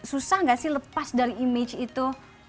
susah nggak sih lepas dari image itu